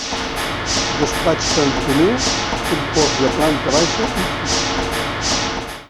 Despatx cantoner, compost de planta baixa i pis.